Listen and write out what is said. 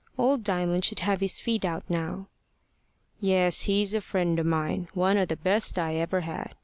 Old Diamond should have his feed out now. "Yes, he is a friend o' mine. One o' the best I ever had.